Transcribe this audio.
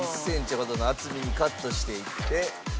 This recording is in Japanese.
１センチほどの厚みにカットしていって。